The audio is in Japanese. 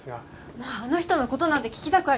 もうあの人の事なんて聞きたくありません！